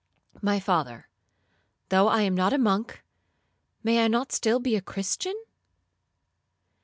'—'My father, though I am not a monk, may I not still be a Christian?'